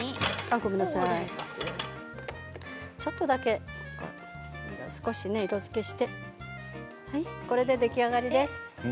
ちょっとだけ少し色づけしてこれで出来上がりです。